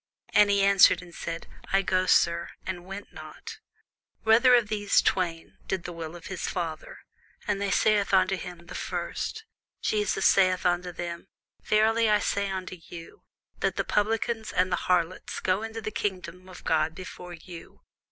And he answered and said, I go, sir: and went not. Whether of them twain did the will of his father? They say unto him, The first. Jesus saith unto them, Verily I say unto you, That the publicans and the harlots go into the kingdom of God before you.